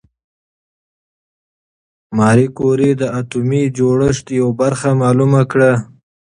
ماري کوري د اتومي جوړښت یوه برخه معلومه کړه.